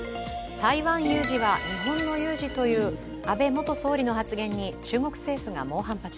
台湾有事は日本の有事という安倍元総理の発言に中国政府が猛反発。